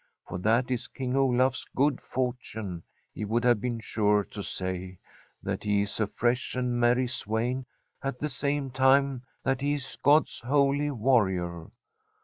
For that is King Olaf s good fortune, he would have been sure to say, that he is a fresh and merry swain at the same time that he is God's holy warrior.